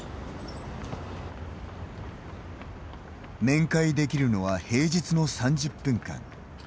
面会できるのは平日の３０分間。